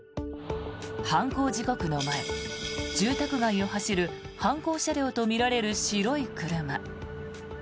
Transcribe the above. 犯行時刻の前、住宅街を走る犯行車両とみられる白い車。